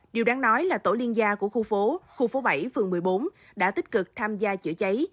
điều đáng nói là tổ liên gia của khu phố khu phố bảy phường một mươi bốn đã tích cực tham gia chữa cháy